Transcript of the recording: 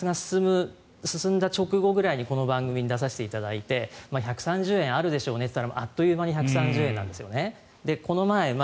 前に円安が進んだ直後ぐらいにこの番組に出させていただいて１３０円あるでしょうねと言ったらあっという間に１３０円なんですね。